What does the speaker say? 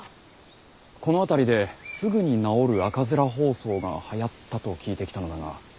この辺りですぐに治る赤面疱瘡がはやったと聞いて来たのだが。